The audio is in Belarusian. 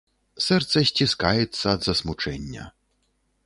Сэрца сціскаецца ад засмучэння.